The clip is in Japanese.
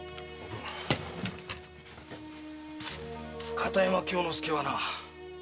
片山京之介はな